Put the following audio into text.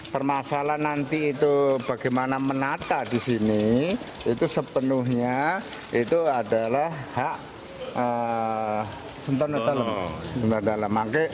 permasalah nanti itu bagaimana menata di sini itu sepenuhnya itu adalah hak sentan dan lemak